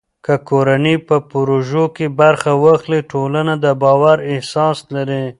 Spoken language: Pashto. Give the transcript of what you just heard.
که نجونې په پروژو کې برخه واخلي، ټولنه د باور احساس لري.